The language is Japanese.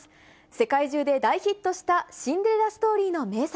世界中で大ヒットしたシンデレラストリーの名作。